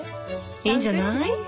いいんじゃない？